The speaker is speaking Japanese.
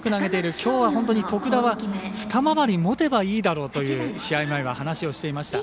きょうは本当に徳田は２回り持てばいいだろうと試合前は話をしていました。